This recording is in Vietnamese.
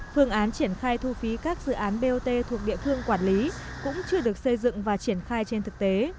phương án triển khai thu phí các dự án bot thuộc địa phương quản lý cũng chưa được xây dựng và triển khai trên thực tế